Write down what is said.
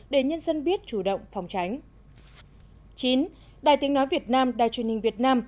để nhân dân biết chủ động phòng tránh đài tiếng nói việt nam đài truyền hình việt nam